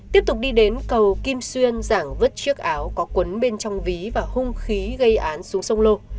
tiếp tục đi đến cầu kim xuyên giảng vứt chiếc áo có quấn bên trong ví và hung khí gây án xuống sông lô